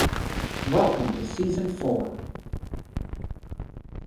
Welcome to season four!